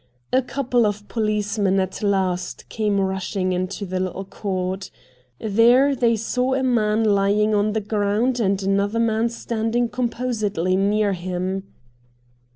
A couple of policemen at last came rushing into the little court. There they saw a man lying on the ground and another man standing composedly near him.